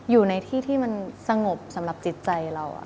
อยู่ในที่ที่มันสงบสำหรับจิตใจเรา